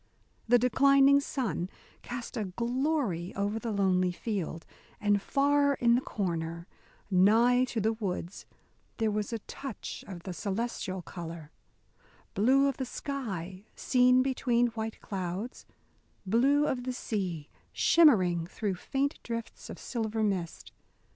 The declining sun cast a glory over the lonely field, and far in the corner, nigh to the woods, there was a touch of the celestial colour: blue of the sky seen between white clouds: blue of the sea shimmering through faint drifts of silver mist.